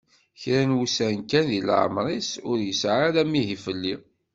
Kra n wussan kan di leɛmer-is ur yesɛi ara amihi fell-i.